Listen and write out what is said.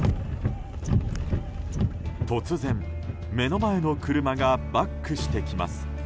突然、目の前の車がバックしてきます。